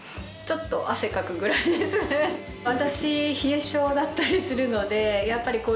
私。